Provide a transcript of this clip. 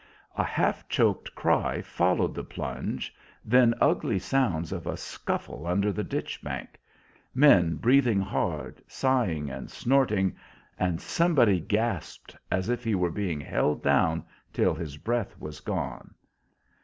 A half choked cry followed the plunge, then ugly sounds of a scuffle under the ditch bank men breathing hard, sighing and snorting; and somebody gasped as if he were being held down till his breath was gone.